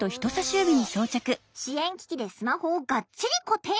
支援機器でスマホをがっちり固定。